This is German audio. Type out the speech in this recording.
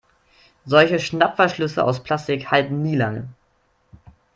Solche Schnappverschlüsse aus Plastik halten nie lange.